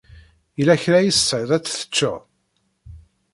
Yella kra ay tesɛiḍ ad t-tecceḍ?